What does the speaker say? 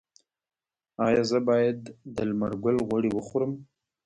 ایا زه باید د لمر ګل غوړي وخورم؟